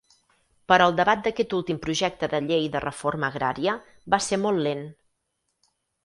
Però el debat d'aquest últim projecte de Llei de Reforma Agrària va ser molt lent.